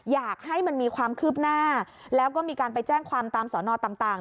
อยากให้มันมีความคืบหน้าแล้วก็มีการไปแจ้งความตามสอนอต่าง